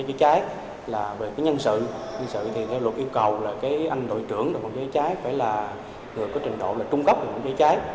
do sự thì theo luật yêu cầu là anh đội trưởng của phòng cháy cháy phải là người có trình độ trung gốc của phòng cháy cháy